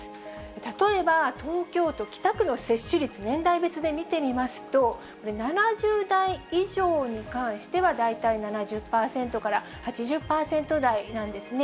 例えば東京都北区の接種率、年代別で見てみますと、これ、７０代以上に関しては、大体７０％から８０％台なんですね。